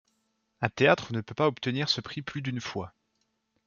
Un théâtre ne peut pas obtenir ce prix plus d'une fois.